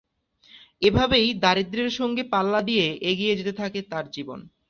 এভাবেই দারিদ্র্যের সঙ্গে পাল্লা দিয়ে এগিয়ে যেতে থাকে তার জীবন।